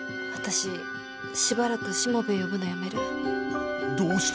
私しばらくしもべえ呼ぶのやめる。